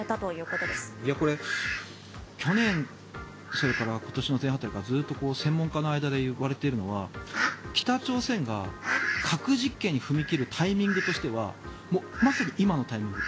これ、去年それから今年に入ってからずっと専門家の間でいわれているのは北朝鮮が核実験に踏み切るタイミングとしてはもうまさに今のタイミング。